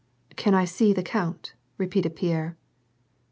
" Can I see the count ?" repeated Pierre.